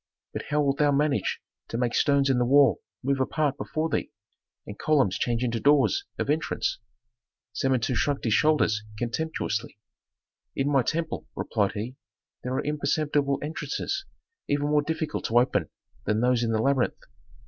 But how wilt thou manage to make stones in the wall move apart before thee, and columns change into doors of entrance?" Samentu shrugged his shoulders contemptuously. "In my temple," replied he, "there are imperceptible entrances even more difficult to open than those in the labyrinth.